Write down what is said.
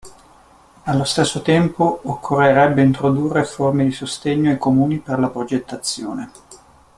Allo stesso tempo, occorrerebbe introdurre forme di sostegno ai comuni per la progettazione.